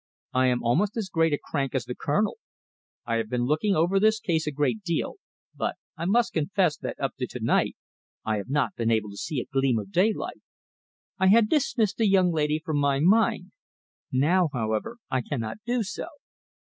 I am almost as great a crank as the Colonel. I have been thinking over this case a great deal, but I must confess that up to to night I have not been able to see a gleam of daylight. I had dismissed the young lady from my mind. Now, however, I cannot do so."